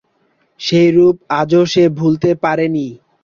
সেই রূপ আজও সে ভুলতে পারে নি।